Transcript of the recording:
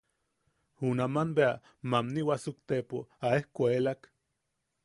Junam bea mamni wasuktepo a escuelak.